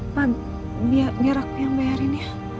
pak biar aku yang bayarin ya